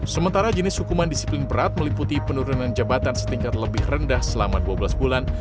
sementara jenis hukuman disiplin berat meliputi penurunan jabatan setingkat lebih rendah selama dua belas bulan